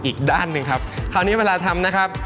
อีกด้านหนึ่งครับคราวนี้เวลาทำนะครับ